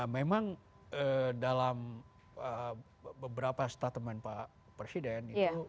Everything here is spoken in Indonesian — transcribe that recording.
memang dalam beberapa statement pak presiden itu